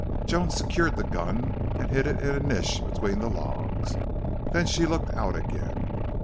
Joan secured the gun and hid it in a niche between the logs. Then she looked out again.